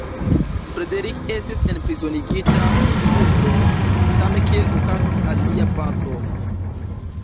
Frederick estis enprizonigita pro ŝuldoj, same kiel okazis al lia patro.